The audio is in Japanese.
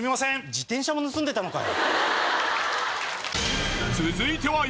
自転車も盗んでたのかよ。